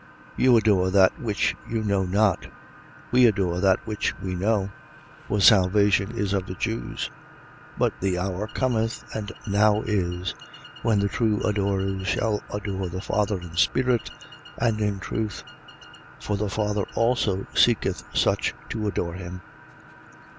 4:22. You adore that which you know not: we adore that which we know. For salvation is of the Jews. 4:23. But the hour cometh and now is, when the true adorers shall adore the Father in spirit and in truth. For the Father also seeketh such to adore him.